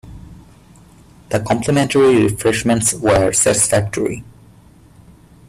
The complimentary refreshments were satisfactory.